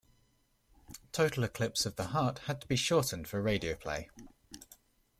"Total Eclipse of the Heart" had to be shortened for radio play.